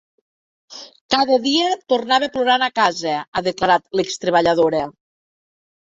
Cada dia tornava plorant a casa, ha declarat l’ex-treballadora.